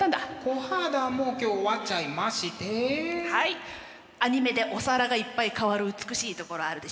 コハダもう今日終わっちゃいましてはいアニメでお皿がいっぱい変わる美しいところあるでしょ？